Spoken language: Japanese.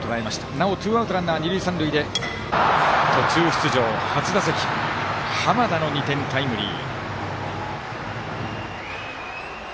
なおツーアウト二塁三塁で途中出場、初打席濱田の２点タイムリー。